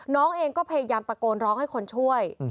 น้องเองก็พยายามตะโกนร้องให้คนช่วย